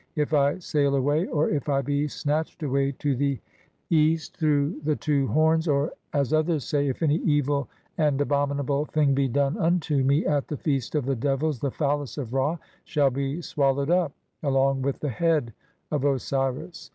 If I sail away or if "I be snatched away to the east through the two horns," or (as "others say), "if any evil and abominable thing be done unto 154 THE CHAPTERS OF COMING FORTH BY DAY. "me at the feast of the devils, the phallus of Ra shall be swal lowed up, (5) [along with] the head of Osiris.